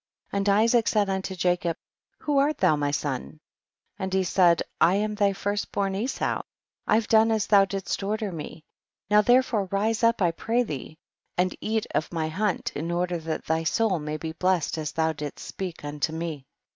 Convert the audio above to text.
7. And Isaac said unto Jacob, who art thon, my son ? And he said I am thy first born Esau, 1 have done as thou didst order me, now therefore rise up I pray liiee, and eat of my hunt, in order that thy soul may bless me as thou didst speak unto me.